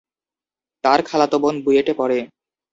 তার খালাতো বোন বুয়েটে পড়ে।